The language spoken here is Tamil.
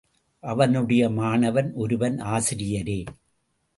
அவனுடைய மாணவன் ஒருவன் ஆசிரியரே!